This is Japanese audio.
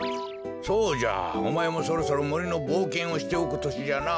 そうじゃおまえもそろそろもりのぼうけんをしておくとしじゃな。